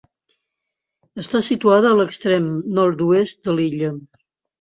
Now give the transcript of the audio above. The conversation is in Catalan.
Està situada a l'extrem nord-oest de l'illa.